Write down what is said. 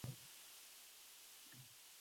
Yuragimdan olgan joy.